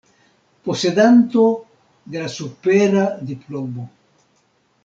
Posedanto de la supera diplomo.